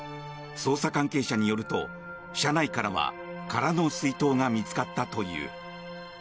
捜査関係者によると、車内からは空の水筒が見つかったという。